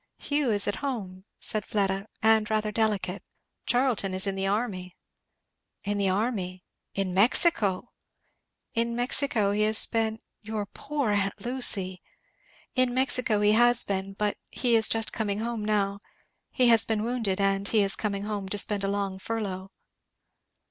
"Hugh is at home," said Fleda, "and rather delicate Charlton is in the army.' "In the army. In Mexico!" "In Mexico he has been" "Your poor aunt Lucy!" "In Mexico he has been, but he is just coming home now he has been wounded, and he is coming home to spend a long furlough."